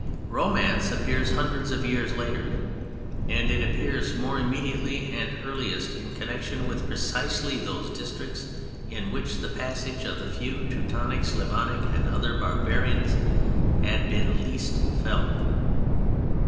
Romance appears hundreds of years later, and it _appears more immediately and earliest in connection with precisely those districts in which the passage of the few Teutonic, Slavonic and other barbarians had been least felt_.